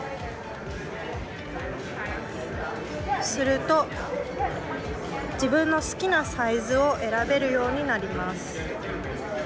すると自分の好きなサイズを選べるようになります。